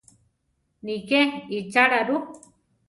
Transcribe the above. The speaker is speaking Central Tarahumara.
Nijé ichála ru?